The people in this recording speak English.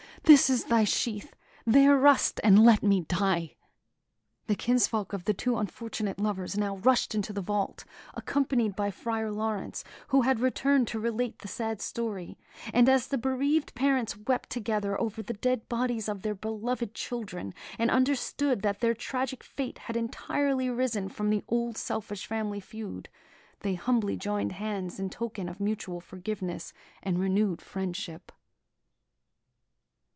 This is thy sheath; there rust, and let me die!" The kinsfolk of the two unfortunate lovers now rushed into the vault, accompanied by Friar Laurence, who had returned to relate the sad story; and as the bereaved parents wept together over the dead bodies of their beloved children, and understood that their tragic fate had entirely arisen from the old selfish family feud, they humbly joined hands in token of mutual forgiveness and renewed friendship.